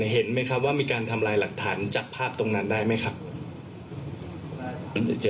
เห็นไหมครับว่ามีการทำลายหลักฐานจับภาพตรงนั้นได้ไหมครับ